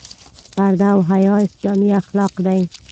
پرده او حیا اسلامي اخلاق دي.